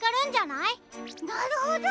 なるほど！